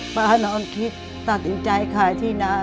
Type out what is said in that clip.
ป้านอนคิดตัดสินใจขายที่นา